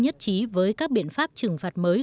nhất trí với các biện pháp trừng phạt mới